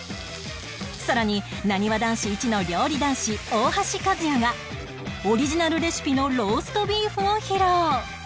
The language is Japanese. さらになにわ男子一の料理男子大橋和也がオリジナルレシピのローストビーフを披露！